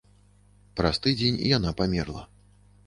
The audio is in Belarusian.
Праз тыдзень яна памерла.